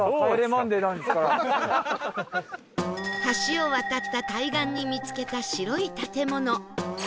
橋を渡った対岸に見つけた白い建物